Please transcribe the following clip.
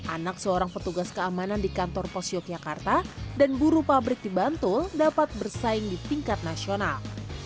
anak seorang petugas keamanan di kantor pos yogyakarta dan buru pabrik di bantul dapat bersaing di tingkat nasional